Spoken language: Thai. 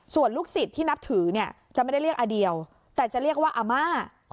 ส่วนลูกศิษย์ที่นับถือเนี่ยจะไม่ได้เรียกอเดียวแต่จะเรียกว่าอาม่า